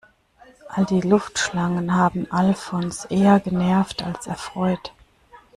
All die Luftschlangen haben Alfons eher genervt als erfreut.